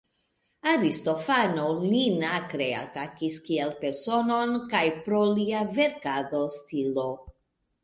Aristofano lin akre atakis kiel personon kaj pro lia verkado-stilo.